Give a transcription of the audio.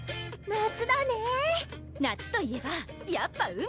夏だねぇ夏といえばやっぱ海！